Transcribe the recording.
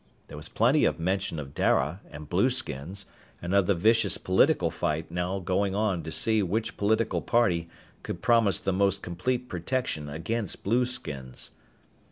There was plenty of mention of Dara, and blueskins, and of the vicious political fight now going on to see which political party could promise the most complete protection against blueskins.